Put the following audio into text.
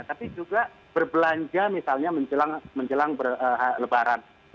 tapi juga berbelanja misalnya menjelang lebaran